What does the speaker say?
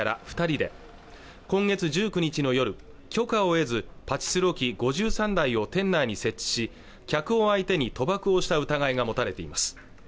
二人で今月１９日の夜許可を得ずパチスロ機５３台を店内に設置し客を相手に賭博をした疑いが持たれています